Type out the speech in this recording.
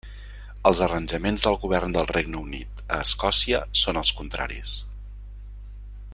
Els arranjaments del Govern del Regne Unit a Escòcia són els contraris.